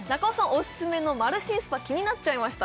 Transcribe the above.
オススメのマルシンスパ気になっちゃいました